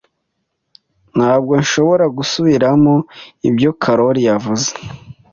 Ntabwo nshobora gusubiramo ibyo Karoli yavuze.